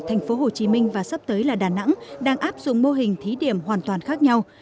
thành phố hồ chí minh và sắp tới là đà nẵng đang áp dụng mô hình thí điểm hoàn toàn khác nhau